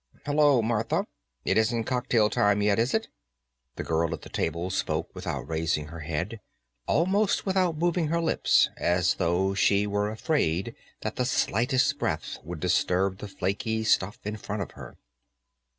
"Hello, Martha. It isn't cocktail time yet, is it?" The girl at the table spoke without raising her head, almost without moving her lips, as though she were afraid that the slightest breath would disturb the flaky stuff in front of her.